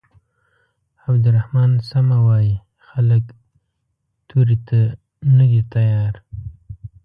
عبدالرحمن سمه وايي خلک تورې ته نه دي تيار.